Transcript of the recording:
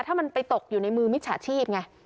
ถ้ามันไปตกอยู่ในมือมิจฉาชีพไง